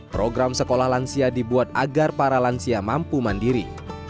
program sekolah lansia dibuat agar para lansia mampu mandiri